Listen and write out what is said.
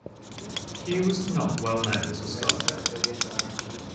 Hugh was not well known as a scholar.